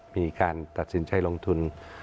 มีการตัดสินใจลงทุน